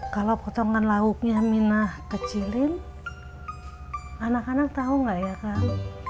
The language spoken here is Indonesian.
kalau potongan lauknya mina kecilin anak anak tahu nggak ya kang